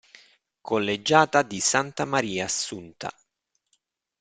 Collegiata di Santa Maria Assunta